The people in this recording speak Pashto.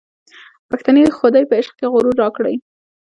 پښتنې خودۍ په عشق کي غرور راکړی